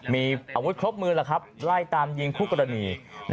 มีอาวุธครบมือแหละครับไล่ตามยิงฆูกรณี